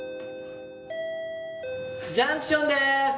ジャンクションでーす！